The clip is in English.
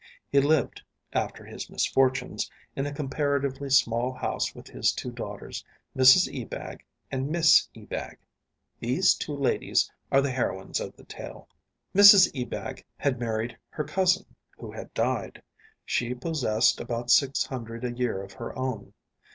He lived, after his misfortunes, in a comparatively small house with his two daughters, Mrs Ebag and Miss Ebag. These two ladies are the heroines of the tale. Mrs Ebag had married her cousin, who had died. She possessed about six hundred a year of her own.